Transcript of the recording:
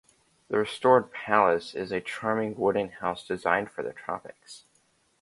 The restored palace is a charming wooden house designed for the tropics.